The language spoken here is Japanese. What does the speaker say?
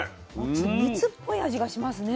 ちょっと蜜っぽい味がしますね。